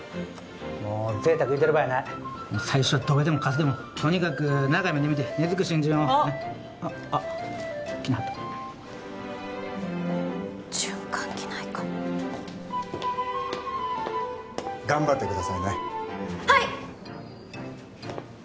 もう贅沢言うてる場合やない最初はドベでもカスでもとにかく長い目で見て根づく新人をあっあっ来なはった循環器内科頑張ってくださいねはい！